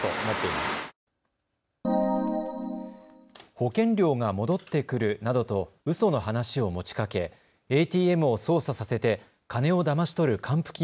保険料が戻ってくるなどとうその話を持ちかけ、ＡＴＭを操作させて金をだまし取る還付金